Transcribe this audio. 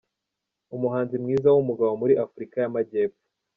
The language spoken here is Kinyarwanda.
Umuhanzi mwiza w’umugabo muri Afurika y’Amajyepfo.